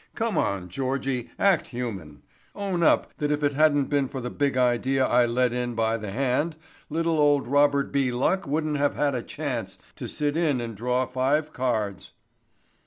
Come on, Georgie, act human. Own up that if it hadn't been for the big idea I led in by the hand, little old Robert B. Luck wouldn't have had a chance to sit in and draw five cards."